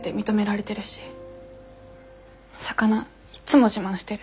魚いっつも自慢してる。